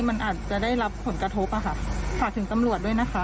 มันอาจจะได้รับผลกระทบอ่ะค่ะฝากถึงตำรวจด้วยนะคะ